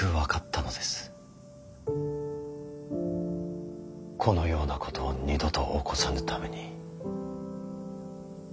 このようなことを二度と起こさぬために何をなすべきか。